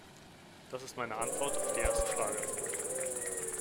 Das ist meine Antwort auf die erste Frage.